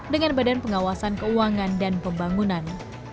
dengan badan pengawasan keuangan dan pembangunan